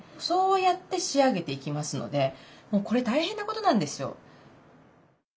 そうやって仕上げていきますのでこれ大変なことなんですよ。